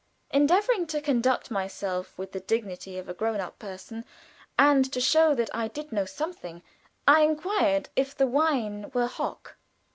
Endeavoring to conduct myself with the dignity of a grown up person and to show that I did know something, I inquired if the wine were hock.